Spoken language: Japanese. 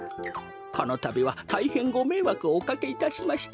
このたびはたいへんごめいわくをおかけいたしました。